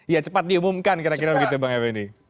ya cepat diumumkan kira kira begitu bang effendi